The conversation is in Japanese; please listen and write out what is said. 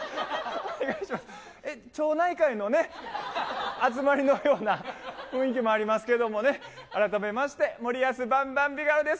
町内会のね、集まりのような雰囲気もありますけれどもね、改めまして、もりやすバンバンビガロです。